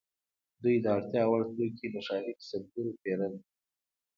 دوی د اړتیا وړ توکي له ښاري کسبګرو پیرل.